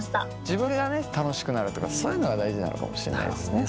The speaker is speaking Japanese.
自分がね楽しくなるとかそういうのが大事なのかもしれないですね。